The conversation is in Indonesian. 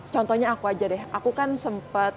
contohnya aku aja deh aku kan sempat